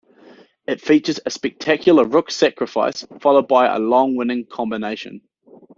It features a spectacular rook sacrifice followed by a long winning combination.